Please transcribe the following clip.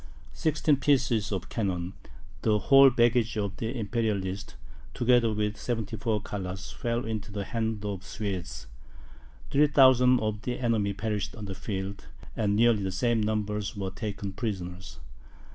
Sixteen pieces of cannon, the whole baggage of the Imperialists, together with 74 colours, fell into the hands of the Swedes; 3,000 of the enemy perished on the field, and nearly the same number were taken prisoners.